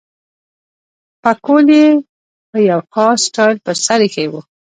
پکول یې په یو خاص سټایل پر سر اېښی وو.